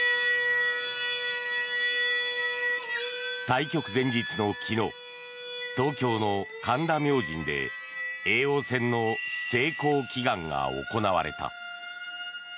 対局前日の昨日東京の神田明神で叡王戦の成功祈願が行われた。